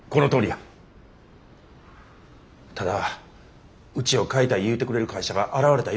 ただうちを買いたい言うてくれる会社が現れた今がタイミングやと思う。